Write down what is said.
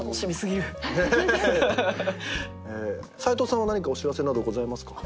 斉藤さんは何かお知らせなどございますか？